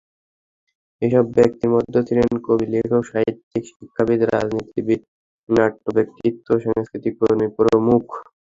এসব ব্যক্তির মধ্যে ছিলেন কবি, লেখক, সাহিত্যিক, শিক্ষাবিদ, রাজনীতিবিদ, নাট্যব্যক্তিত্ব, সংস্কৃতিকর্মী প্রমুখ।